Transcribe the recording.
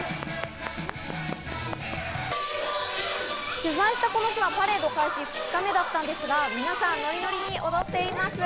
取材したこの日は、パレード開始２日目だったんですが、皆さんノリノリに踊っています。